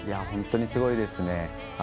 本当にすごいですね。